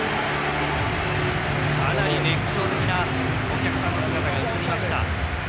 かなり熱狂的なお客さんの姿が映りました。